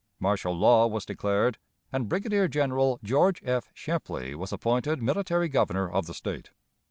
Martial law was declared, and Brigadier General George F. Shepley was appointed military Governor of the State.